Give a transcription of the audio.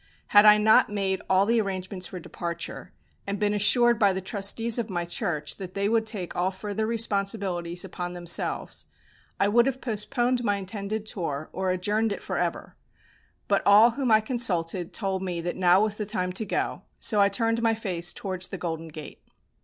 Had I not made all the arrangements for departure, and been assured by the trustees of my church that they would take all further responsibilities upon themselves, I would have postponed my intended tour or adjourned it for ever; but all whom I consulted told me that now was the time to go, so I turned my face towards the Golden Gate.